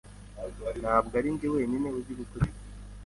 Ntabwo arinjye wenyine uzi gukora ibi.